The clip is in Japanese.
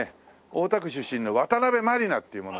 大田区出身の渡辺満里奈っていう者。